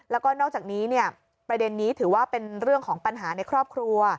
แล้วก็นอกจากนี้ประเด็นนี้ถือว่าเป็นเรื่องของปัญหาในครอบครัว